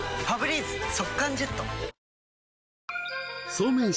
そうめん